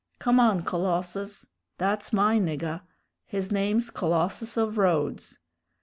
Come on, Colossus. That's my niggah his name's Colossus of Rhodes.